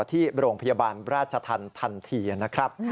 ที่โรงพยาบาลราชธรรมทันทีนะครับ